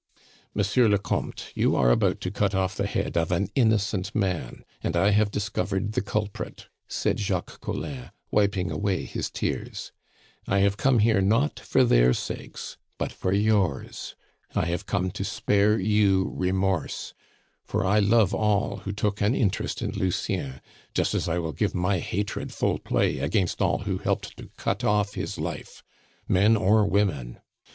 "Monsieur le Comte, you are about to cut off the head of an innocent man, and I have discovered the culprit," said Jacques Collin, wiping away his tears. "I have come here not for their sakes, but for yours. I have come to spare you remorse, for I love all who took an interest in Lucien, just as I will give my hatred full play against all who helped to cut off his life men or women!